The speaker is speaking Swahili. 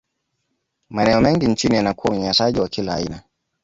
maeneo mengi nchini yanakuwa unyanyasaji wa kila aina